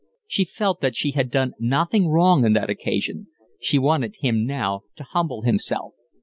She felt that she had done nothing wrong on that occasion. She wanted him now to humble himself.